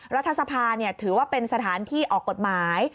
รัฐสภาถือว่าเป็นสถานที่ออกกฎหมาย